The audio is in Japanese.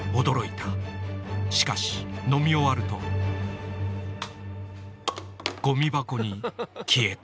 しかし飲み終わるとゴミ箱に消えた。